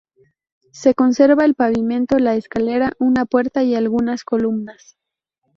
Se conserva el pavimento, la escalera, una puerta y algunas columnas.